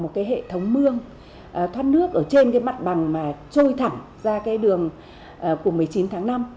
một cái hệ thống mương thoát nước ở trên cái mặt bằng mà trôi thẳng ra cái đường của một mươi chín tháng năm